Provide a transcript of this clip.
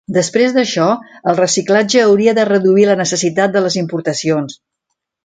Després d'això, el reciclatge hauria de reduir la necessitat de les importacions.